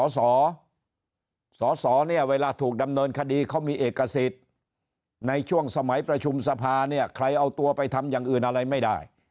สสเนี่ยเวลาถูกดำเนินคดีเขามีเอกสิทธิ์ในช่วงสมัยประชุมสภาเนี่ยใครเอาตัวไปทำอย่างอื่นอะไรไม่ได้